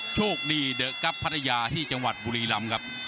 เจมส์เดอร์กัฟภัตรายาที่จังหวัดบุรีลำครับ